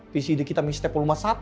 vcd kita mixtape puluh empat saat